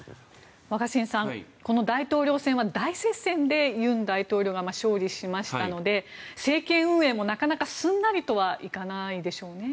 若新さん、この大統領選は大接戦で尹大統領が勝利しましたので政権運営も、なかなかすんなりとはいかないでしょうね。